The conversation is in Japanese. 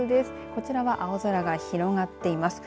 こちらは青空が広がっています。